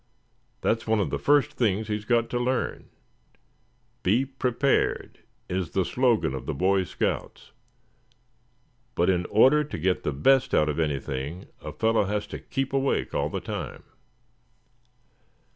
That's one of the first things he's got to learn. 'Be prepared' is the slogan of the Boy Scouts; but in order to get the best out of anything, a fellow has to keep awake all the time."